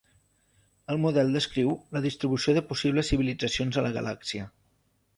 El model descriu la distribució de possibles civilitzacions a la galàxia.